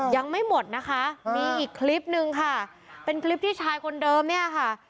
ยังไม่หมดนะคะมีอีกคลิปนึงค่ะเป็นคลิปที่ชายคนเดิมเนี่ยค่ะ